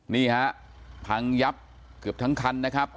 นี่ฮะพังยับเกือบทั้งคันนะครับ